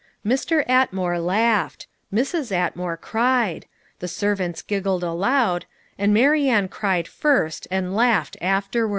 Mr. Atmore laughed Mrs. Atmore cried the servants giggled aloud and Marianne cried first, and laughed afterwards.